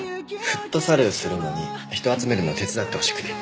フットサルするのに人集めるの手伝ってほしくて。